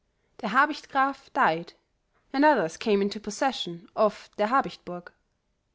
"Der Habicht Graf died, and others came into possession of Der Habicht burg.